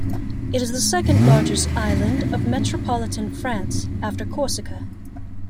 It is the second largest island of Metropolitan France, after Corsica.